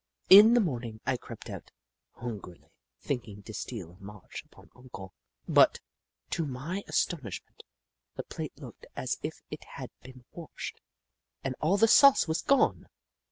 In the morning I crept out, hungrily, think ing to steal a march upon Uncle, but, to my astonishment, the plate looked as if it had been washed, and all the sauce was gone